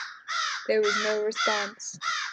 There was no response.